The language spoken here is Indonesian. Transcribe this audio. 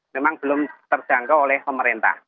memang belum terjangkau oleh pemerintah